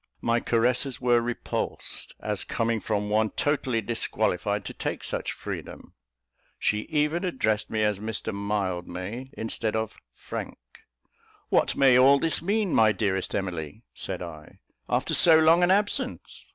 My caresses were repulsed, as coming from one totally disqualified to take such freedom. She even addressed me as Mr Mildmay, instead of "Frank." "What may all this mean, my dearest Emily," said I, "after so long an absence?